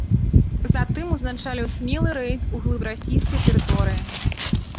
Затым узначаліў смелы рэйд у глыб расійскай тэрыторыі.